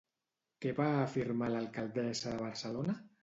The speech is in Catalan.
Què va afirmar l'alcaldessa de Barcelona?